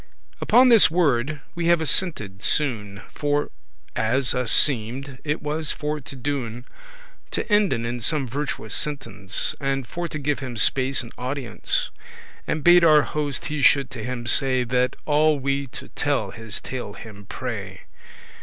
Upon this word we have assented soon; For, as us seemed, it was *for to do'n,* *a thing worth doing* To enden in some virtuous sentence,* *discourse And for to give him space and audience; And bade our Host he shoulde to him say That alle we to tell his tale him pray.